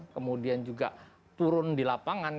kemudian juga turun di lapangan